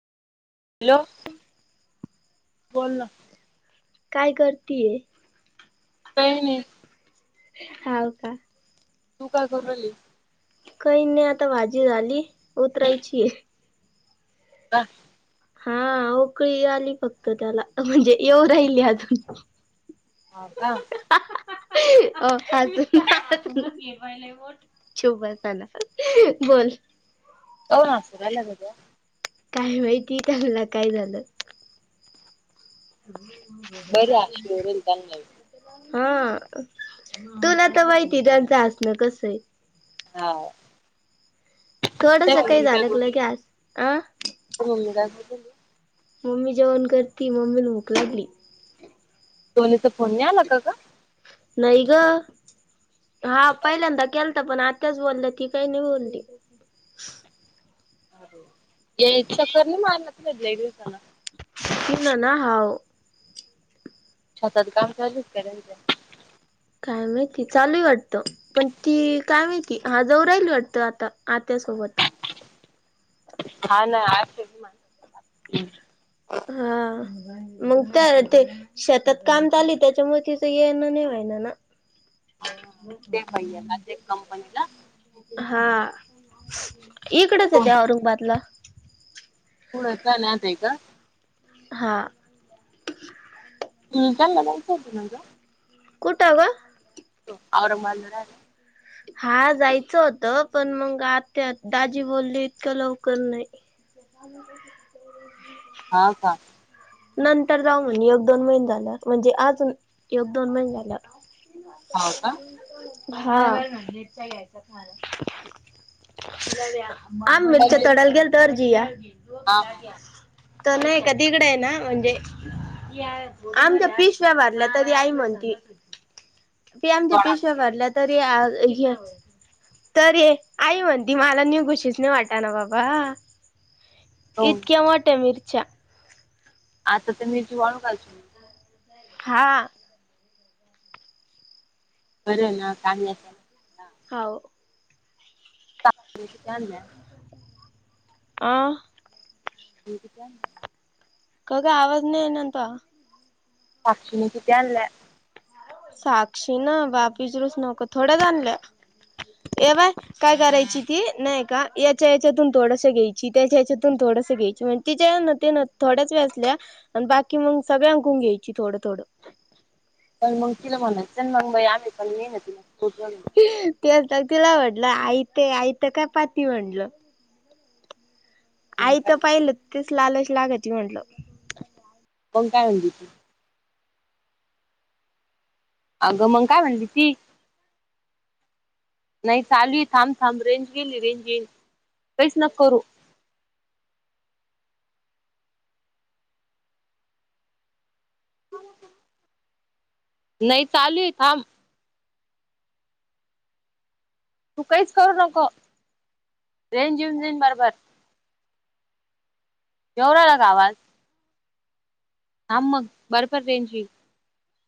Hello बोल ना, काय करतीय. काही नाही. हाव का. तू काय करू राहिली. काही नाही आता भाजी झाली उतरायची आहे. ह हा ओकळी आली फक्त त्याला म्हणजे येऊ राहिली अजून हा का, का शुभ ला बोल. कावून हसू राहिला ग तो. काय माहिती त्याला काय झालं. ह बर [unintelligible] त्यांना हा तुला तर माहिती त्यांचं हसणं कस आहे. हा ते थोडस काही मम्मी काय झालंग करू ल राहिली? केस अं [unintelligible] मम्मी जेवण करती मम्मी ल भूक लागली. दोनीचा फोन मिळाला काग? नाही ग हा पहिल्यांदा केल तर पण आताच बोललं ती काही नाही बोलली या चकर नाही मारला त भले एक दिवसाला तन ना हाव [unintelligible] छतात काम चालूच का रंज काय माहिती? चालू आहे वाटतं पण ती काय माहिती हा जव राहिल वाटतं आता आत्यासोबत हा ना मा [unintelligible] हा मग त्या ते शेतात काम चाली त्याच्यामुळे तिचं येण नाहीेवा्हाय ना ना [inaudible] हा ते भैयाला ते कंपनीला हा इकडच आहेेत फोन औरंगाबादला होड नाताय का? हा हम्म [unintelligible] कुठ ग? [unintelligible] हा जायचं होतं पण मग आता दाजी बोलली इतकं लवकर नाही. [inaudible] हा का नंतर जाऊ म्हण ऐग दोन महिने झाल्या म्हणजे अजुन एकोग दोन महिने झालाव हाव का [unintelligible] हा म्हणज घ्यायच ख [unintelligible] आम मिरच्या हा तोडाला गेल तरर जिया हा तो नाही का दिगड आहे ना म्हणजे आमच्या पिशव्या भारला तरी आई म्हणती पी आमच्या सोडा. पिशव्या भरल्या तरी तर आई म्हणती मला न्यू गुशीस नाही वाटा ना बाबा हो इतक्या मोठ्या मिरच्या आता तर मीरची वाळून काच हा बरं ना काम न [unintelligible] हाव त [inaudible] अं [unintelligible] [inaudible] काग आवाज नाही येनंत साक्षिणी किती आणललं? साक्षी ना बाबीचरूस नको थोड्या जा आणल्या ए बाय काय करायची ती नाही का याच्या या्याच्यातून थोडस घ्यायची त्याच्या या्याच्यातून थोडसं घ्यायची म्हण तिच्या न ते ना थोड्याच वे्यासल्या आणि बाकी मग सगळ्या अंकून घ्यायची थोडं थोडं पण मग तिला म्हणत मग म आ पण ये ना तिला नाही तेग तिला वाटलं आई ते आईत काय पाती म्हणल आई तर करणार पाहिलं तेच लालश लागायची म्हटलं कोण काय म्हणली? अगमंग काय म्हणली ती? नाही चालूय थांब थांब रेंज गेली रेंज येईल काहीच न करू [unintelligible] नाही चालू आहे थांब. तू काहीच करू नको रेंज येऊन जाईन बरोबर. जेवरा आला का आवाज? हां मग बरफर रेंजची